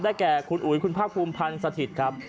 แก่คุณอุ๋ยคุณภาคภูมิพันธ์สถิตย์ครับ